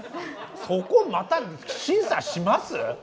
そこまた審査します？